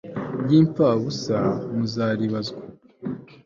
ry'imfabusa, muzaribazwa